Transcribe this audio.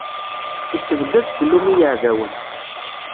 Issebdad ssellum i yeɛdawen.